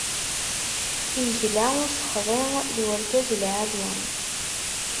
Igla, usexḍi, d urgaz lɛali.